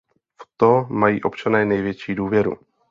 V to mají občané největší důvěru.